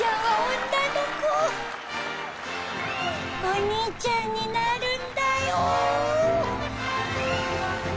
お兄ちゃんになるんだよ。